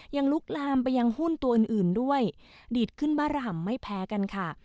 ลุกลามไปยังหุ้นตัวอื่นอื่นด้วยดีดขึ้นบ้าระห่ำไม่แพ้กันค่ะ